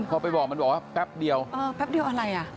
พอไปบอกมันบอกว่าแป๊บเดียวเออแป๊บเดียวอะไรอ่ะ